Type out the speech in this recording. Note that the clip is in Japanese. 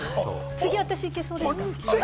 次、私行けそうですか？